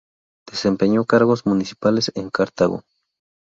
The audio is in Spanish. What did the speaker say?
Desempeñó cargos municipales en Cartago.